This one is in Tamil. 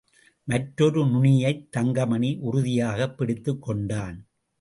மற்றொரு நுனியைத் தங்கமணி உறுதியாகப் பிடித்துக்கொண்டான்.